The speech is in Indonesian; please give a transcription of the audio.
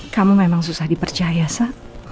kamu memang susah dipercaya sah